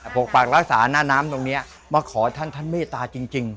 พวกปากรักษาน่าน้ำตรงนี้มาขอท่านเมตตาจริง